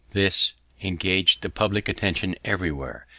This engag'd the public attention everywhere.